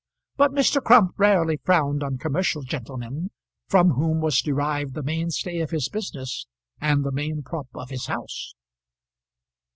But Mr. Crump rarely frowned on commercial gentlemen, from whom was derived the main stay of his business and the main prop of his house.